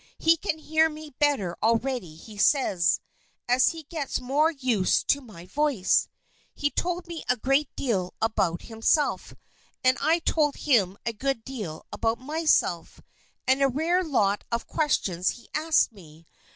He can hear me better already he says, as he gets more used to my voice. He told me a great deal about himself, and I told him a good deal about myself; and a rare lot of questions he asked me.